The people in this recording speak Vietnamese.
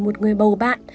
một người bầu bạn